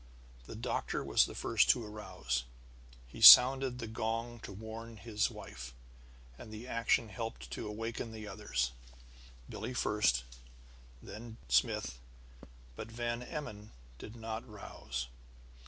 The doctor was the first to arouse. He sounded the gong to warn his wife, and the action helped to awaken the others; Billie first, then Smith. But Van Emmon did not rouse.